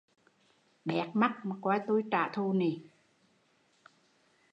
Béc mắt mà coi tui trả thù